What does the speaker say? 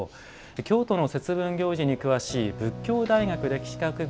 京都の節分行司に詳しい佛教大学歴史学部